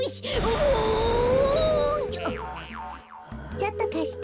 ちょっとかして。